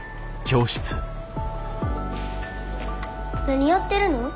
何やってるの？